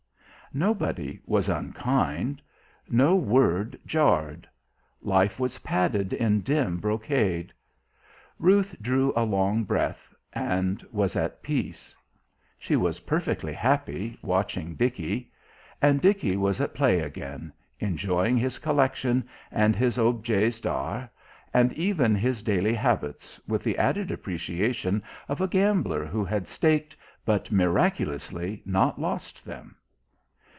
Nobody was unkind; no word jarred; life was padded in dim brocade Ruth drew a long breath, and was at peace. She was perfectly happy, watching Dickie. And Dickie was at play again, enjoying his collection and his objets d'art, and even his daily habits, with the added appreciation of a gambler who had staked, but miraculously, not lost them.